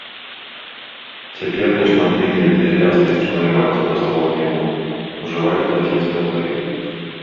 Цяпер нешматлікія энтузіясты, што займаюцца прасоўваннем мовы, ужываюць лацінскі алфавіт.